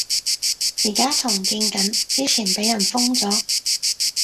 而家重建緊，之前畀人封咗